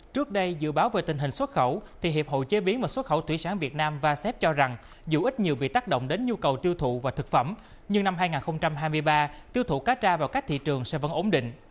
trước đây dự báo về tình hình xuất khẩu thì hiệp hội chế biến và xuất khẩu thủy sản việt nam vasep cho rằng dù ít nhiều việc tác động đến nhu cầu tiêu thụ và thực phẩm nhưng năm hai nghìn hai mươi ba tiêu thụ cá tra vào các thị trường sẽ vẫn ổn định